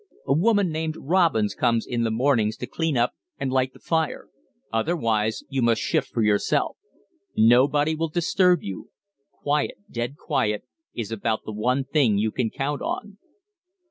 A woman named Robins comes in the mornings to clean up and light the fire; otherwise you must shift for yourself. Nobody will disturb you. Quiet, dead quiet, is about the one thing you can count on."